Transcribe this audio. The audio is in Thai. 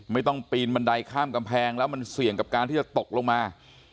ปีนบันไดข้ามกำแพงแล้วมันเสี่ยงกับการที่จะตกลงมา